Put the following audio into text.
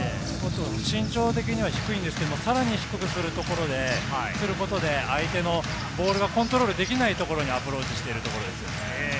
身長的には低いんですけれども、さらに低くするところで相手のボールがコントロールできないところにアプローチしているところですよね。